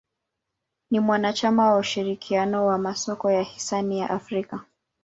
Ni mwanachama wa ushirikiano wa masoko ya hisa ya Afrika.